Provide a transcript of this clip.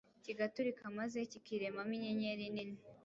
kigaturika maze kikiremamo inyenyeri nini